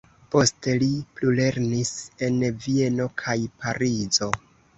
Poste li plulernis en Vieno kaj Parizo.